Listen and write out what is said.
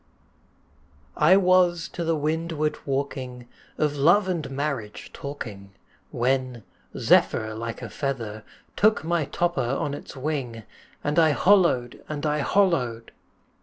] I WAS to the windward walking, Of love and marriage talking, When, zephyr like a feather, Took my topper on its wing And I hollo'd! and I hollo'd!